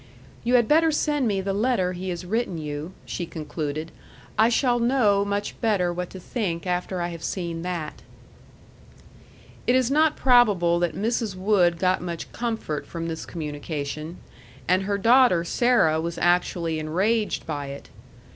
"You had better send me the letter he has written you," she concluded. "I shall know much better what to think after I have seen that." It is not probable that Mrs. Wood got much comfort from this communication; and her daughter Sarah was actually enraged by it.